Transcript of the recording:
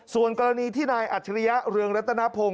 ส่วนกรณีที่นายอัจฉริยะเรืองรัตนพงศ